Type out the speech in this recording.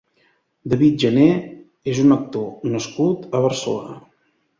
David Jenner és un actor nascut a Barcelona.